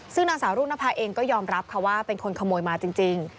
ซึ่งนางสาวรุ่งนภาเองก็ยอมรับค่ะว่าเป็นคนขโมยมาจริง